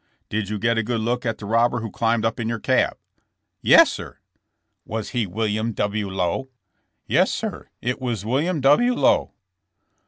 '* ''Did you get a good look at the robber who climbed up in your cab ?'' ''Yes, sir.'' *'Was he WiUiam W. LoweT' ''Yes, sir; it was William W. Lowe."